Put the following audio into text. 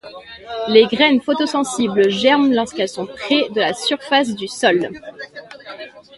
Les graines photosensibles germent lorsqu'elles sont près de la surface du sol.